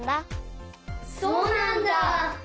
そうなんだ。